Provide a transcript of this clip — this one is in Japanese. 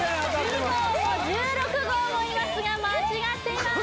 ２号も１６号もいますが間違っています